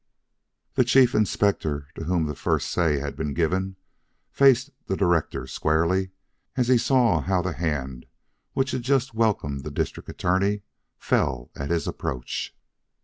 The Chief Inspector to whom the first say had been given faced the director squarely, as he saw how the hand which had just welcomed the District Attorney fell at his approach.